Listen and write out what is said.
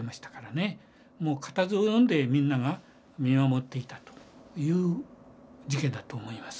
固唾をのんでみんなが見守っていたという事件だと思います。